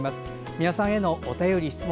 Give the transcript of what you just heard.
美輪さんへのお便り、質問